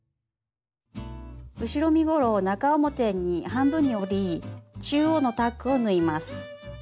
後ろ身ごろを中表に半分に折り中央のタックを縫います。